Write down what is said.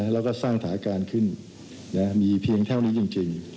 แล้วก็สร้างถาการขึ้นมีเพียงเท่านี้จริง